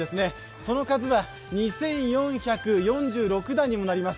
その数は２４４６段にもなります。